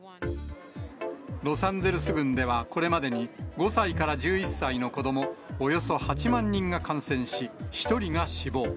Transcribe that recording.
ロサンゼルス郡では、これまでに５歳から１１歳の子どもおよそ８万人が感染し、１人が死亡。